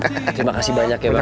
terima kasih banyak ya bang